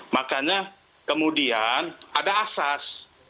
makanya kemudian ada asas